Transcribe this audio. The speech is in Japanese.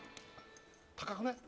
高くない？